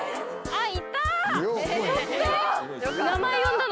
はい。